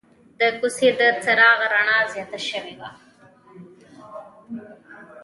د کوڅې د چراغ رڼا زیاته شوې وه.